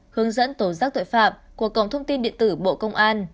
hướng dẫn tổ giác tội phạm của cổng thông tin điện tử bộ công an